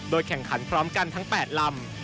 แข่งขันพร้อมกันทั้ง๘ลำ